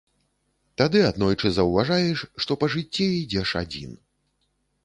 Тады аднойчы заўважаеш, што па жыцці ідзеш адзін.